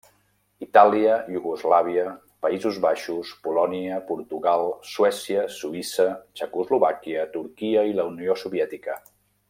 Itàlia, Iugoslàvia, Països Baixos, Polònia, Portugal, Suècia, Suïssa, Txecoslovàquia, Turquia i la Unió Soviètica.